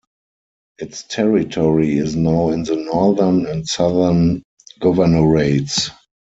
Its territory is now in the Northern and Southern Governorates.